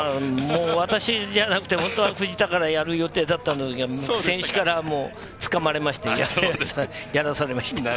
私じゃなくて、藤田からやる予定だったので、選手からつかまれましてやらされました。